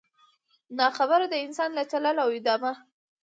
نا خبره د انسان له چل او دامه